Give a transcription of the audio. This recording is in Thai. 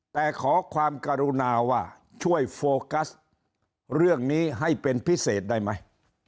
แต่ขอความกรุณาว่าช่วยโฟกัสเรื่องนี้ให้เป็นพิเศษได้ไหม